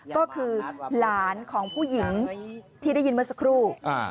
ก็คือหลานของผู้หญิงที่ได้ยินเมื่อสักครู่